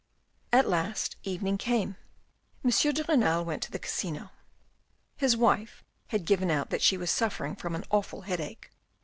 232 THE RED AND THE BLACK At last evening came. Monsieur de Renal went to the Casino. His wife had given out that she was suffering from an awful headache.